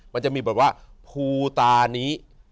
มันจะมีแบบว่าภูตานี้